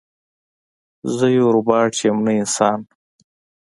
زه یو روباټ یم نه انسان